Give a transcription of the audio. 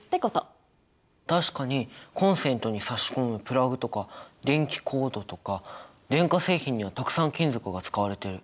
確かにコンセントに差し込むプラグとか電気コードとか電化製品にはたくさん金属が使われてる！